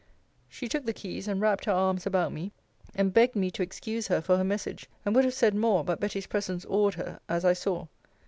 She took the keys, and wrapped her arms about me; and begged me to excuse her for her message; and would have said more; but Betty's presence awed her, as I saw.